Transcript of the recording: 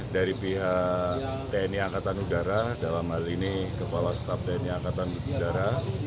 dari pihak tni angkatan udara dalam hal ini kepala staf tni angkatan udara